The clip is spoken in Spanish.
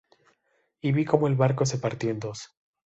Y vi cómo el barco se partió en dos.